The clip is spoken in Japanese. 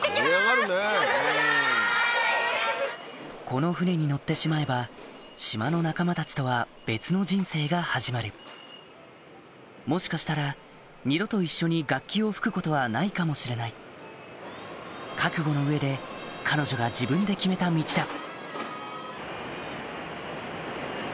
・この船に乗ってしまえば島の仲間たちとは別の人生が始まるもしかしたら二度と一緒に楽器を吹くことはないかもしれない覚悟の上で彼女が自分で決めた道だ